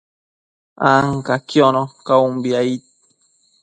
ancaquiono caumbi, aid